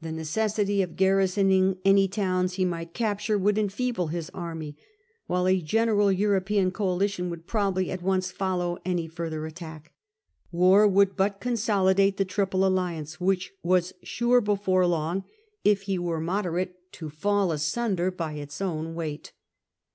The necessity of garrisoning any towns he might capture would enfeeble his army ; while a general European coalition would probably at once follow any further attack. War would but consolidate the Triple Alliance, which was sure before long, if he were mode rate, to fall asunder by its own weight.